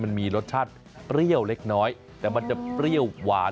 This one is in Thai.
มันมีรสชาติเปรี้ยวเล็กน้อยแต่มันจะเปรี้ยวหวาน